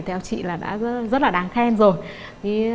theo chị là đã rất là đáng khen rồi